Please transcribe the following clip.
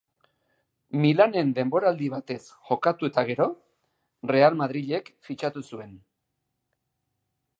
Milanen denboraldi batez jokatu eta gero, Real Madrilek fitxatu zuen.